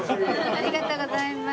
ありがとうございます。